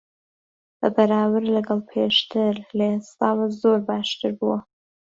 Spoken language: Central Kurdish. بە بەراورد لەگەڵ پێشتر، لە ئێستاوە زۆر باشتر بووە.